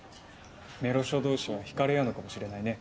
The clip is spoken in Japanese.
メロしょ同士は引かれ合うのかもしれないね。